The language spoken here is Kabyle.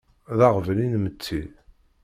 D aɣbel inmetti.